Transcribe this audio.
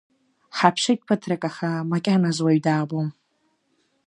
Ҳаԥшит ԥыҭрак, аха макьаназ уаҩ даабом.